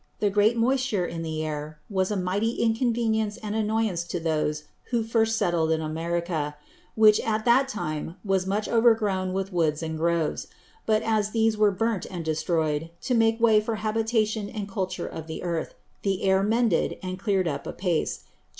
The great Moisture in the Air, was a mighty inconvenience and annoyance to those who first settled in America; which at that time was much overgrown with Woods and Groves. But as these were burnt and destroy'd, to make way for Habitation and Culture of the Earth, the Air mended and clear'd up apace, changing into a Temper much more dry and serene than before.